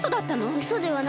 うそではないです。